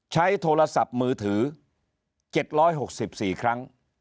ใช้โทรศัพท์มือถือ๗๖๔ครั้ง